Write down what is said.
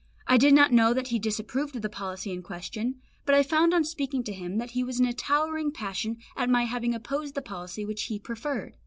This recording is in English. I did not know that he disapproved of the policy in question, but I found on speaking to him that he was in a towering passion at my having opposed the policy which he preferred.